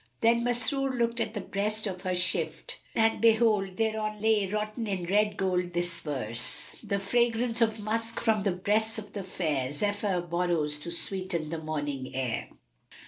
Then Masrur looked at the breast of her shift and behold, thereon lay wroughten in red gold this verse, "The fragrance of musk from the breasts of the fair * Zephyr borrows, to sweeten the morning air."